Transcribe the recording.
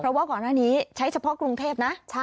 เพราะว่าก่อนหน้านี้ใช้เฉพาะกรุงเทพนะ